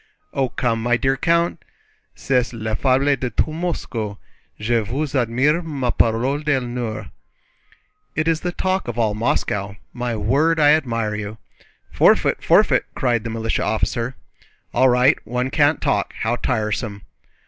"Oh, come, my dear count! C'est la fable de tout Moscou. Je vous admire, ma parole d'honneur!" "It is the talk of all Moscow. My word, I admire you!" "Forfeit, forfeit!" cried the militia officer. "All right, one can't talk—how tiresome!"